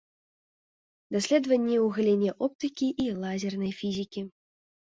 Даследаванні ў галіне оптыкі і лазернай фізікі.